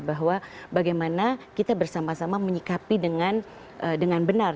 bahwa bagaimana kita bersama sama menyikapi dengan benar